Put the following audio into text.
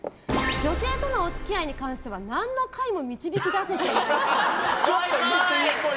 女性とのお付き合いに関しては何の解も導き出せていないっぽい。